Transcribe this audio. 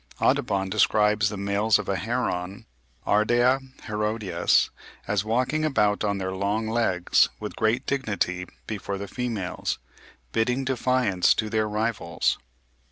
Audubon describes the males of a heron (Ardea herodias) as walking about on their long legs with great dignity before the females, bidding defiance to their rivals.